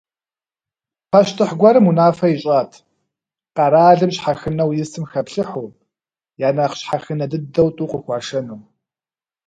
Пащтыхь гуэрым унафэ ищӏат: къэралым щхьэхынэу исым хэплъыхьу я нэхъ щхьэхынэ дыдэу тӏу къыхуашэну.